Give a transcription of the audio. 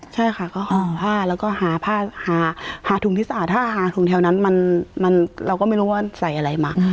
ใช่ค่ะก็ห่อผ้าแล้วก็หาผ้าหาถุงที่สะอาดถ้าหาถุงแถวนั้นเราก็ไม่รู้ว่าใส่อะไรมา